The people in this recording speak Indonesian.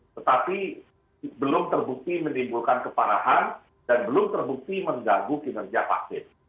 tetapi belum terbukti menimbulkan keparahan dan belum terbukti mengganggu kinerja vaksin